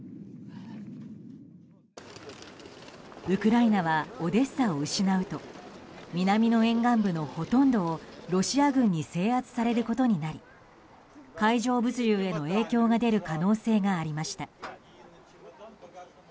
ウクライナはオデッサを失うと南の沿岸部のほとんどをロシア軍に制圧されることになり海上物流への影響が出る可能性がありました。